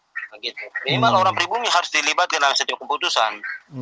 memang orang pribumi harus dilibatkan dalam setiap keputusan